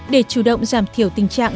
để chủ động giảm thiểu tình trạng